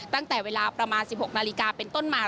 ตั้งแต่เวลาประมาณ๑๖นาฬิกาเป็นต้นมา